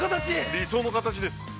◆理想の形です。